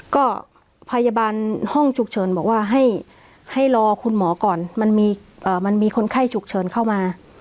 ก็พยาบาลห้องฉุกเฉินบอกว่าให้รอคุณหมอก่อนมันมีคนไข้ฉุกเฉินเข้ามา